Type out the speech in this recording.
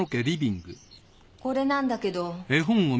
これなんだけど。